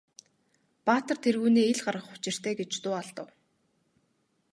Баатар тэргүүнээ ил гаргах учиртай гэж дуу алдав.